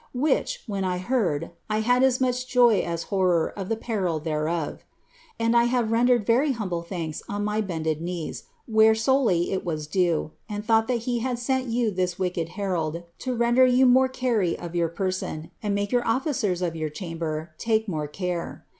Which, when i heard, I had as much joy as horror of the peril thereof! And I have rendered very humble thanks on my bended knees, where solely it was due, and thought that He had sent you this wicked herald to render you more chary of your person, and make your officers of your chamber take more cmre.